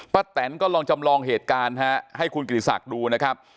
แตนก็ลองจำลองเหตุการณ์ให้คุณกิติศักดิ์ดูนะครับ